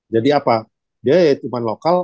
jadi apa dia ya cuman lokal